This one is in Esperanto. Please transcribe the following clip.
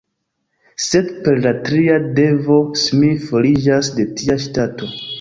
Sed per la tria devo Smith foriĝas de tia ŝtato.